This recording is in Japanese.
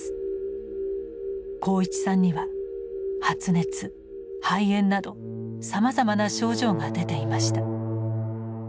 鋼一さんには発熱肺炎などさまざまな症状が出ていました。